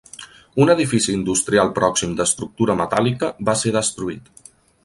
Un edifici industrial pròxim d'estructura metàl·lica va ser destruït.